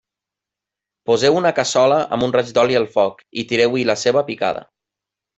Poseu una cassola amb un raig d'oli al foc i tireu-hi la ceba picada.